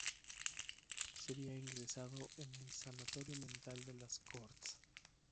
Sería ingresado en el Sanatorio Mental de las Corts.